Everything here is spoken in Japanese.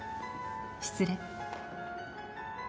失礼。